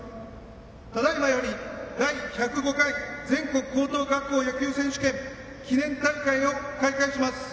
ただいまより、第１０５回全国高等学校野球選手権記念大会を開会します。